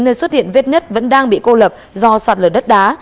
nơi xuất hiện vết nứt vẫn đang bị cô lập do sạt lở đất đá